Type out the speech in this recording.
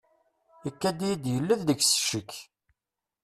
Ikad-iyi-d yella deg-s ccek.